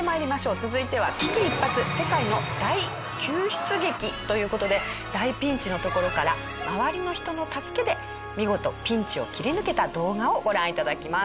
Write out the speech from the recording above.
続いては危機一髪世界の大救出劇という事で大ピンチのところから周りの人の助けで見事ピンチを切り抜けた動画をご覧頂きます。